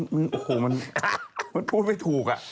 มันโอ้โหมันพูดไม่ถูก